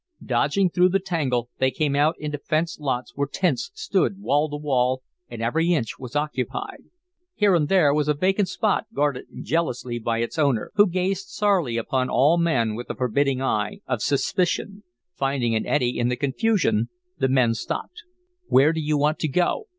Dodging through the tangle, they came out into fenced lots where tents stood wall to wall and every inch was occupied. Here and there was a vacant spot guarded jealously by its owner, who gazed sourly upon all men with the forbidding eye of suspicion. Finding an eddy in the confusion, the men stopped. "Where do you want to go?"